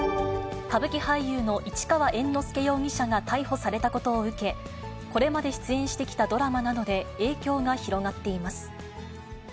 歌舞伎俳優の市川猿之助容疑者が逮捕されたことを受け、これまで出演してきたドラマなどで影響が広がっています。